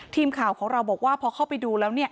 ทีมข่าวของเราบอกว่าพอเข้าไปดูแล้ว